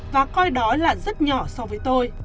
và coi đó là rất nhỏ so với tôi